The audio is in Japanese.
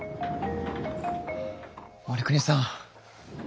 護国さん。